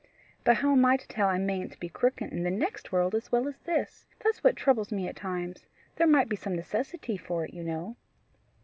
But how am I to tell I mayn't be crooked in the next world as well as this? That's what troubles me at times. There might be some necessity for it, you know."